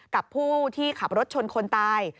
กับผู้ที่ขับรถชนคนตาย